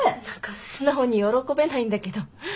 何か素直に喜べないんだけど。